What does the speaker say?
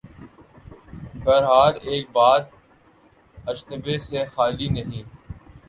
بہرحال ایک بات اچنبھے سے خالی نہیں۔